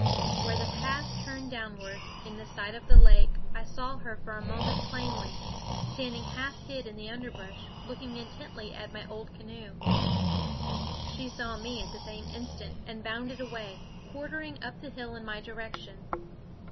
Where the path turned downward, in sight of the lake, I saw her for a moment plainly, standing half hid in the underbrush, looking intently at my old canoe. She saw me at the same instant and bounded away, quartering up the hill in my direction.